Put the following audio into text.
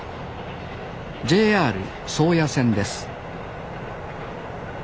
ＪＲ宗谷線です